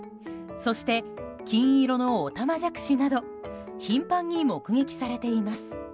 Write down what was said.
そして金色のオタマジャクシなど頻繁に目撃されています。